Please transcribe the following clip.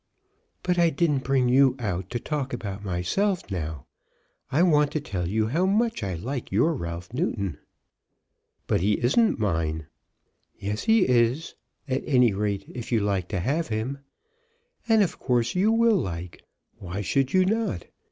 "But I didn't bring you out to talk about myself now. I want to tell you how much I like your Ralph Newton." "But he isn't mine." "Yes he is; at any rate, if you like to have him. And of course you will like. Why should you not?